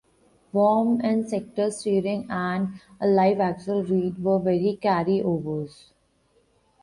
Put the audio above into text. Worm-and-sector steering and a live axle rear end were carry overs.